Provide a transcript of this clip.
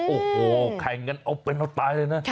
โอ้โหแข่งกันเอาเป็นเอาตายเลยนะ